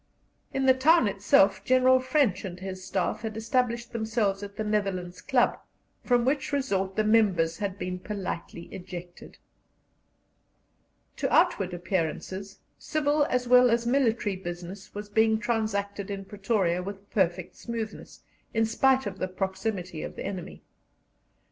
In the town itself General French and his Staff had established themselves at the Netherlands Club, from which resort the members had been politely ejected. To outward appearances, civil as well as military business was being transacted in Pretoria with perfect smoothness, in spite of the proximity of the enemy.